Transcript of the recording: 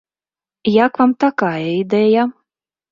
Як вам такая ідэя?